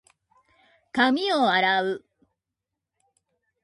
髪を洗う。